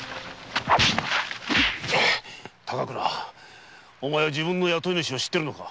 高倉お前は自分の雇い主を知っているのか！